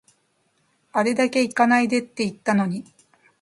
あれだけ行かないでって言ったのに